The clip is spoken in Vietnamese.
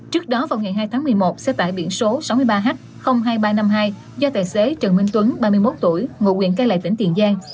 trước đó vào ngày hai tháng một mươi một xe tải biển số sáu mươi ba h hai nghìn ba trăm năm mươi hai do tài xế trần minh tuấn ba mươi một tuổi ngụ quyền cai lệ tỉnh tiền giang